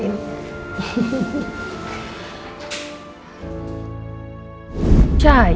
dan nyaks kadang diceritain